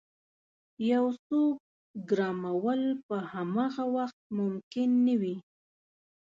یو څوک ګرمول په همغه وخت ممکن نه وي.